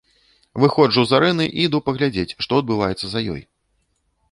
Выходжу з арэны і іду паглядзець, што адбываецца за ёй.